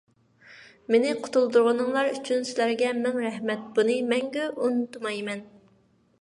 مېنى قۇتۇلدۇرغىنىڭلار ئۈچۈن سىلەرگە مىڭ رەھمەت! بۇنى مەڭگۈ ئۇنتۇمايمەن.